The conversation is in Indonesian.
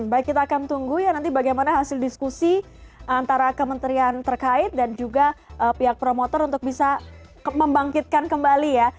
baik kita akan tunggu ya nanti bagaimana hasil diskusi antara kementerian terkait dan juga pihak promotor untuk bisa membangkitkan kembali ya